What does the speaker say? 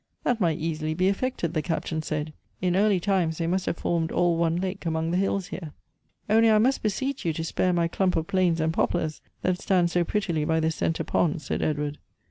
" That might easily be effected," the Captain said. " In early times they must have formed all one lake among the hills here." " Only I must beseech you to spare my clump of planes and poplars that stand so prettily by the centre pond," said Edward.